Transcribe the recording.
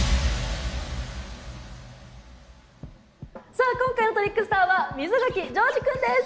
さあ今回のトリックスターは溝垣丈司くんです。